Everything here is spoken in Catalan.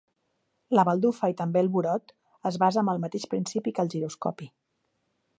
La baldufa, i també el burot, es basa en el mateix principi que el giroscopi.